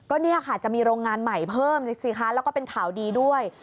ก็เนี่ยค่ะจะมีโรงงานใหม่เพิ่มสิคะแล้วก็เป็นข่าวดีด้วย